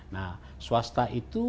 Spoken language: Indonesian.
nah swasta itu